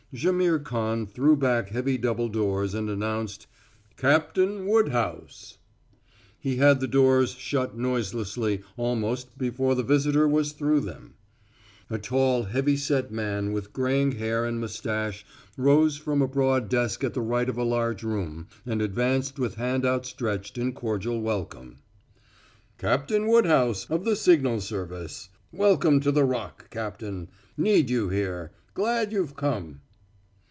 Jaimihr Khan threw back heavy double doors and announced, "Cap tain Wood house." He had the doors shut noiselessly almost before the visitor was through them. A tall heavy set man with graying hair and mustache rose from a broad desk at the right of a large room and advanced with hand outstretched in cordial welcome. "Captain Woodhouse, of the signal service. Welcome to the Rock, Captain. Need you here. Glad you've come."